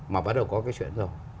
mà bắt đầu có cái chuyện rồi